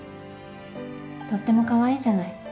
とっても可愛いじゃない。